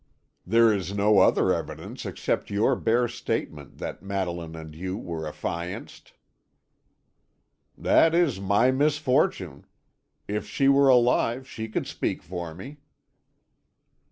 "There is no other evidence except your bare statement that Madeline and you were affianced." "That is my misfortune. If she were alive she could speak for me."